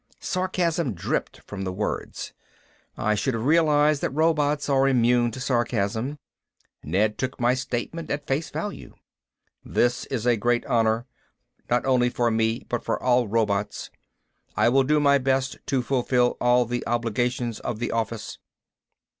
Sarcasm dripped from the words. I should have realized that robots are immune to sarcasm. Ned took my statement at face value. "This is a very great honor, not only for me but for all robots. I will do my best to fulfill all the obligations of the office."